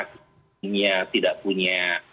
punya tidak punya